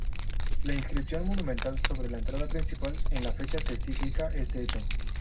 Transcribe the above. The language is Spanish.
La inscripción monumental sobre la entrada principal en la fecha testifica este hecho.